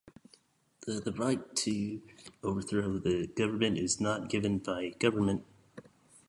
Yet the right to "overthrow" the government is not given by government.